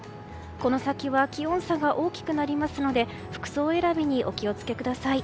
この先は気温差が大きくなりますので服装選びにお気を付けください。